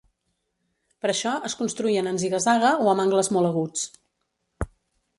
Per això es construïen en ziga-zaga, o amb angles molt aguts.